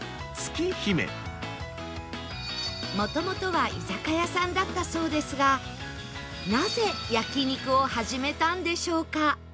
もともとは居酒屋さんだったそうですがなぜ焼肉を始めたんでしょうか？